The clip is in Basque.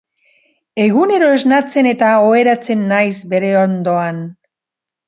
Egunero esnatzen eta oheratzen naiz bere ondoan.